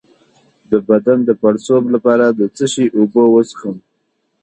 د بدن د پړسوب لپاره د څه شي اوبه وڅښم؟